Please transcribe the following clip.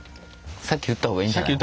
先言った方がいいんじゃない。